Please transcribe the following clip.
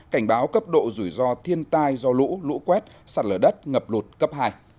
cảnh báo cấp độ rủi ro thiên tai do lũ lũ quét sạt lở đất ngập lụt cấp hai